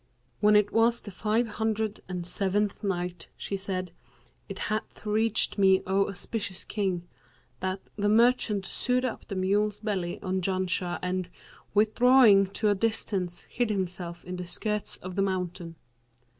When it was the Five Hundred and Seventh Night, She said, It hath reached me, O auspicious King, that "the merchant sewed up the mule's belly on Janshah and, withdrawing to a distance, hid himself in the skirts of the mountain.